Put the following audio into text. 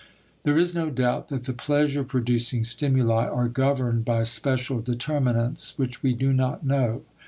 There is no doubt that the pleasure producing stimuli are governed by special determinants which we do not know.